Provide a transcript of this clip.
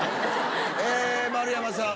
丸山さん。